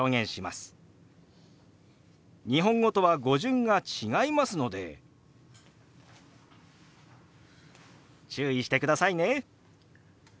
日本語とは語順が違いますので注意してくださいね。